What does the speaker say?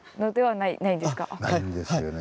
ないんですよね